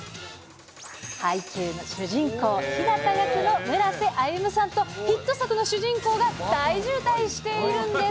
ハイキュー！！の主人公、日向役の村瀬歩さんと、ヒット作の主人公が大渋滞しているんです。